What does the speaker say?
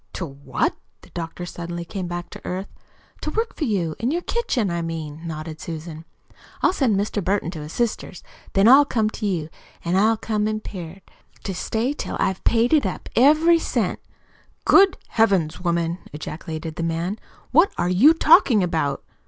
"To what?" The doctor suddenly came back to earth. "To work for you in your kitchen, I mean," nodded Susan. "I'll send Mr. Burton to his sister's, then I'll come to you, an' I'll come impaired to stay till I've paid it up every cent." "Good Heavens, woman!" ejaculated the man. "What are you talking about?"